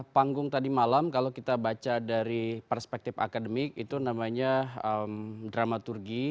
panggung tadi malam kalau kita baca dari perspektif akademik itu namanya dramaturgi